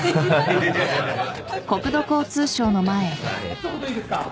一言いいですか？